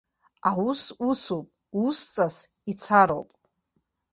Аус усуп, усҵас ицароуп!